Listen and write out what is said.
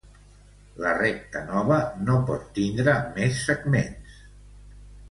La recta nova no pot tindre més segments.